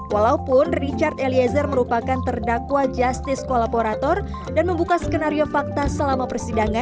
walaupun richard eliezer merupakan terdakwa justice kolaborator dan membuka skenario fakta selama persidangan